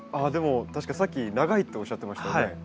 あでも確かさっき長いっておっしゃってましたよね。